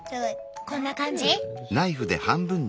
こんな感じ？